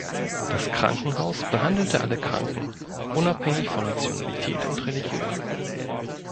Das Krankenhaus behandelte alle Kranken, unabhängig von Nationalität und Religion.